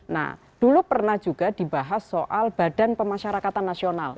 nah dulu pernah juga dibahas soal badan pemasyarakatan nasional